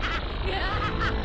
グハハハ！